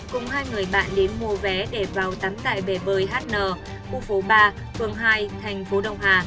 cùng hai người bạn đến mua vé để vào tắm tạm bể bơi hn khu phố ba phường hai tp đh